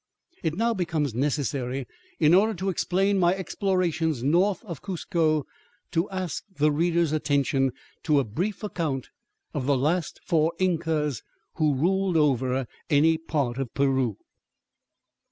It now becomes necessary, in order to explain my explorations north of Cuzco, to ask the reader's attention to a brief account of the last four Incas who ruled over any part of Peru.